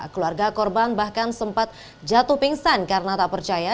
keluarga korban bahkan sempat jatuh pingsan karena tak percaya